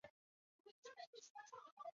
是海河下游重要的跨海河通道之一。